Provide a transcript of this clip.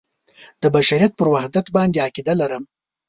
د بشریت پر وحدت باندې عقیده لرم.